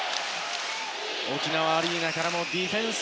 沖縄アリーナからもディフェンス！